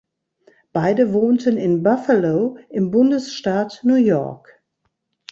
Beide wohnten in Buffalo im Bundesstaat New York.